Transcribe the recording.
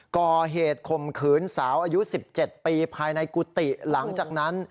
ก่อเหตุข่มขืนสาวอายุ๑๗ปีภายในกุฏิหลังจากนั้น